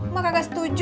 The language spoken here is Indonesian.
mak kagak setuju